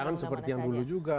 kan seperti yang dulu juga